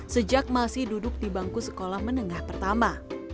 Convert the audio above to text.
sejak masih duduk di bangku sekolah menengah pertama